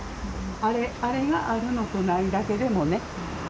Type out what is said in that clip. あれ、あれがあるのとないだけでもね。